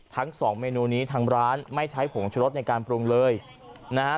ทั้งสองเมนูนี้ทางร้านไม่ใช้ผงชะรสในการปรุงเลยนะฮะ